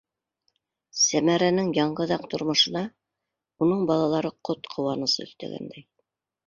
Сәмәрәнең яңғыҙаҡ тормошона уның балалары ҡот-ҡыуаныс өҫтәгәндәй.